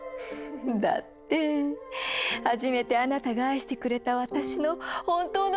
だって初めてあなたが愛してくれた私の本当の姿」。